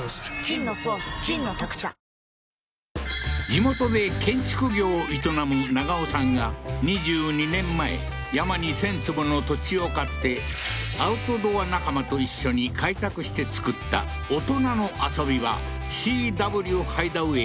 地元で建築業を営む永尾さんが２２年前山に１０００坪の土地を買ってアウトドア仲間と一緒に開拓して造った大人の遊び場Ｃ．Ｗ．ＨＩＤＥＡＷＡＹ